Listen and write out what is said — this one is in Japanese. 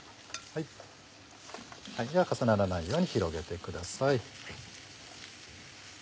では重ならないように広げてください。